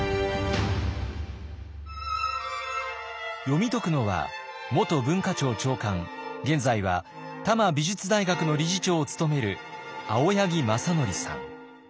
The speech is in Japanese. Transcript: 読み解くのは元文化庁長官現在は多摩美術大学の理事長を務める青柳正規さん。